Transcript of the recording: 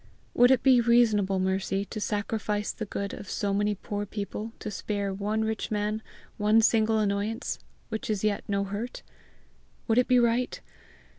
Would it be reasonable, Mercy, to sacrifice the good of so many poor people to spare one rich man one single annoyance, which is yet no hurt? Would it be right?